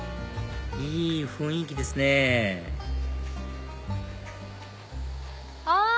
いい雰囲気ですねあ！